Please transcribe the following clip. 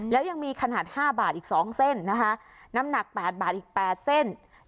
แล้วยังมีขนาด๕บาทอีก๒เส้นนะคะน้ำหนัก๘บาทอีก๘เส้น